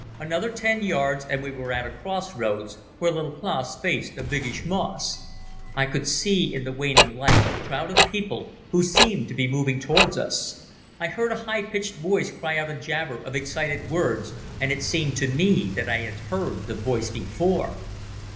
Another ten yards and we were at a cross roads, where a little place faced a biggish mosque. I could see in the waning light a crowd of people who seemed to be moving towards us. I heard a high pitched voice cry out a jabber of excited words, and it seemed to me that I had heard the voice before.